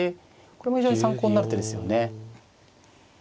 これも非常に参考になる手ですよね。